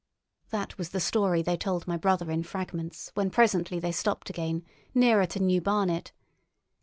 That was the story they told my brother in fragments when presently they stopped again, nearer to New Barnet.